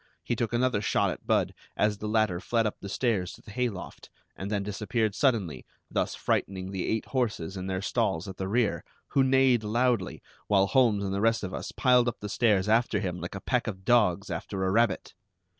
He took another shot at Budd as the latter fled up the stairs to the hay loft, and then disappeared suddenly, thus frightening the eight horses in their stalls at the rear, who neighed loudly, while Holmes and the rest of us piled up the stairs after him, like a pack of dogs after a rabbit!